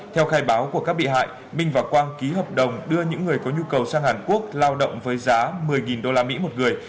theo khai báo của các bị hại minh và quang ký hợp đồng đưa những người có nhu cầu sang hàn quốc lao động với giá một mươi usd một người